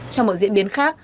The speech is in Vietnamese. trong một diễn biến khác